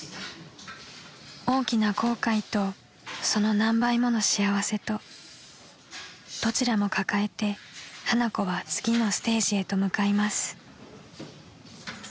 ［大きな後悔とその何倍もの幸せとどちらも抱えて花子は次のステージへと向かいます］